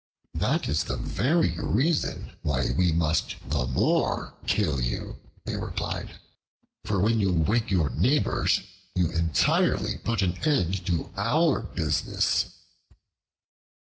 "That is the very reason why we must the more kill you," they replied; "for when you wake your neighbors, you entirely put an end to our business."